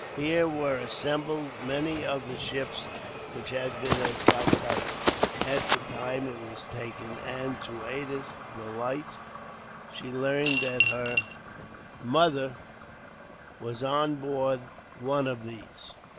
Here were assembled many of the ships which had been at Calcutta, at the time it was taken; and, to Ada's delight, she learned that her mother was on board one of these.